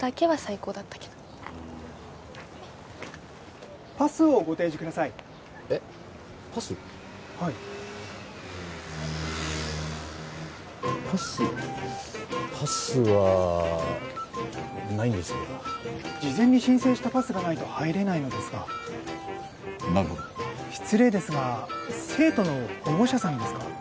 はいパスパスはないんですが事前に申請したパスがないと入れないのですがなるほど失礼ですが生徒の保護者さんですか？